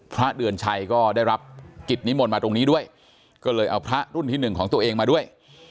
พระเดือนชัยก็ได้รับกิจนิมนต์มาตรงนี้ด้วยก็เลยเอาพระรุ่นที่หนึ่งของตัวเองมาด้วย